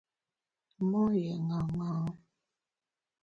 Mon lié ṅaṅâ.